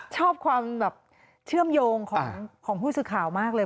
ชอบความแบบเชื่อมโยงของผู้สื่อข่าวมากเลย